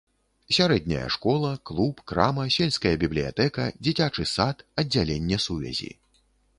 Сярэдняя школа, клуб, крама, сельская бібліятэка, дзіцячы сад, аддзяленне сувязі.